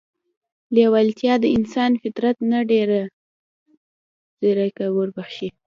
لېوالتیا د انسان فطرت ته ډېره ځیرکي وربښي